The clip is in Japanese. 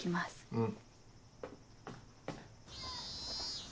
うん。